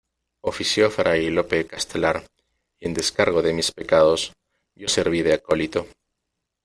ofició Fray Lope Castellar , y en descargo de mis pecados , yo serví de acólito .